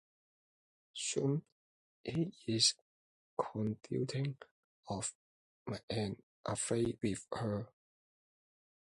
Soon he is conducting an affair with her.